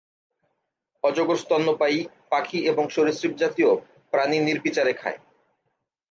অজগর স্তন্যপায়ী, পাখি এবং সরীসৃপজাতীয় প্রাণী নির্বিচারে খায়।